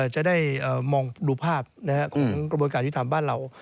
จะได้มองดูภาพของกระบวนการยุทธรรมบ้านเรา